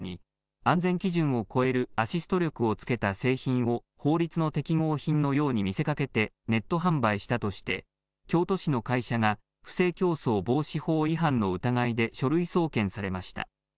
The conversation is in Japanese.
軽い力でペダルがこげる電動アシスト自転車に、安全基準を超えるアシスト力をつけた製品を法律の適合品のように見せかけて、ネット販売したとして、京都市の会社が不正競争防止法違反の疑いで書類送検されました。